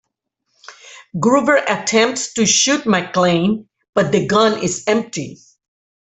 Gruber attempts to shoot McClane but the gun is empty.